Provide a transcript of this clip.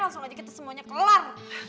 langsung aja kita semuanya kelar